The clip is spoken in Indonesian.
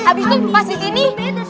tapi itu pas di sini